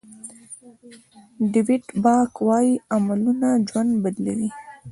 ډویډ باک وایي عملونه ژوند بدلوي.